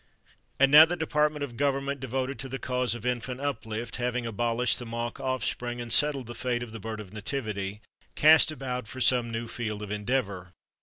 And now the department of government devoted to the cause of Infant Uplift, having abolished the Mock Offspring and settled the fate of the Bird of Nativity, cast about for some new Field of Endeavor.